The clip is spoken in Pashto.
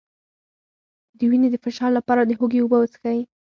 د وینې د فشار لپاره د هوږې اوبه وڅښئ